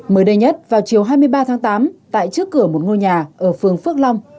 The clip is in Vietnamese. mới đây nhất vào chiều hai mươi ba tháng tám tại trước cửa một ngôi nhà ở phường phước long